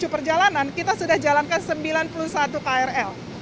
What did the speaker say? sembilan ratus empat puluh tujuh perjalanan kita sudah menjalankan sembilan puluh satu krl